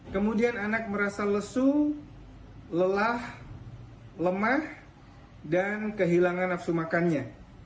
kemudian anak merasa lesu lelah lemah dan kehilangan nafsu makannya